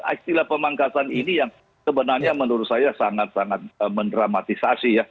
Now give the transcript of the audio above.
istilah pemangkasan ini yang sebenarnya menurut saya sangat sangat mendramatisasi ya